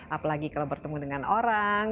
apalagi kalau bertemu dengan orang